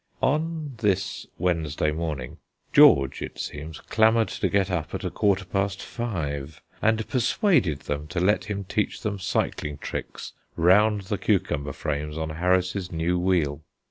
On this Wednesday morning, George, it seems, clamoured to get up at a quarter past five, and persuaded them to let him teach them cycling tricks round the cucumber frames on Harris's new wheel.